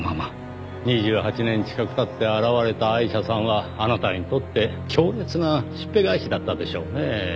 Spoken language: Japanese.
２８年近く経って現れたアイシャさんはあなたにとって強烈なしっぺ返しだったでしょうねぇ。